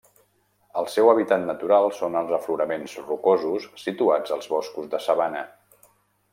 El seu hàbitat natural són els afloraments rocosos situats als boscos de sabana.